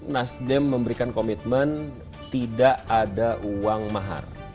nasdem memberikan komitmen tidak ada uang mahar